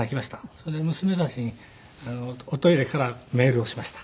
それで娘たちにおトイレからメールをしました。